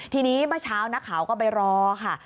ทีนี้เมื่อเช้านักข่าวก็ไปรอค่ะ